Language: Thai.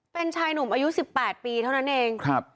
เป็นชายหนุ่มอายุสิบแปดปีเท่านั้นเองครับ